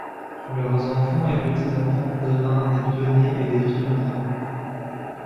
Leurs enfants et petits-enfants devinrent des pionniers et des philanthropes.